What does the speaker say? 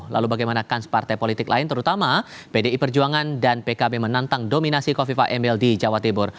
lalu bagaimana kans partai politik lain terutama pdi perjuangan dan pkb menantang dominasi kofifa emil di jawa tibur